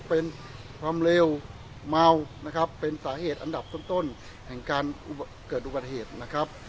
เป็นความเลวเมานะครับเป็นสาเหตุอันดับต้นแห่งการเกิดอุบัติเหตุนะครับ